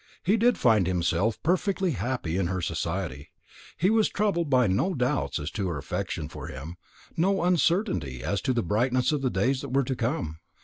He did find himself perfectly happy in her society. He was troubled by no doubts as to her affection for him, no uncertainty as to the brightness of the days that were to come.